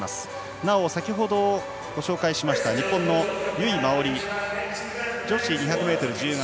なお先ほどご紹介した日本の由井真緒里は女子２００ｍ自由形。